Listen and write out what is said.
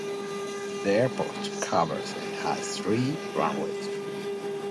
The airport covers and has three runways.